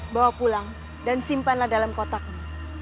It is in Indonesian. bawa pulang dan simpanlah dalam kotaknya